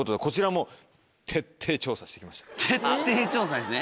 「徹底調査」ですね？